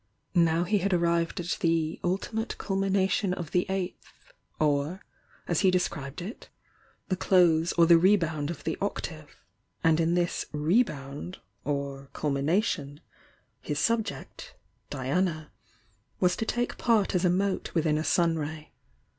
Now he had arrived at "the ultimate culmination of the Eighth," or, as he described it "the close or the rebound of the Octave,"— and m this "rebound" or "culmination" his subject, Diana, was to take part as a mote within a sun ray.